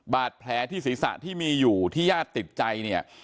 บาดแผลที่ศีรษะที่มีอยู่ที่ญาติติดใจเนี่ย